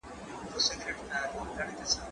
دا ږغ له هغه ښه دی؟